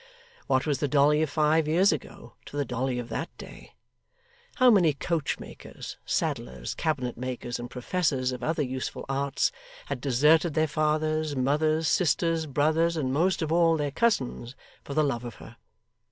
What was the Dolly of five years ago, to the Dolly of that day! How many coachmakers, saddlers, cabinet makers, and professors of other useful arts, had deserted their fathers, mothers, sisters, brothers, and, most of all, their cousins, for the love of her!